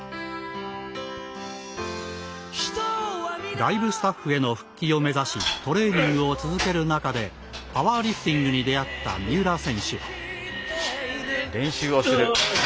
ライブスタッフへの復帰を目指しトレーニングを続ける中でパワーリフティングに出会った三浦選手。